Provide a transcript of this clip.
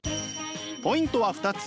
ポイントは２つ。